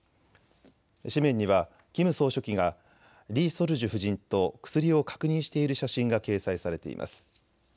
紙面にはキム総書記がリ・ソルジュ夫人と薬を確認している写真が掲載されています。